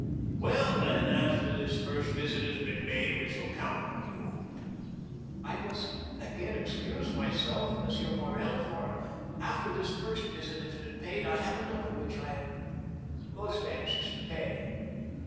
"Well, then, after this first visit has been made we shall count on you." "I must again excuse myself, M. Morrel, for after this first visit has been paid I have another which I am most anxious to pay."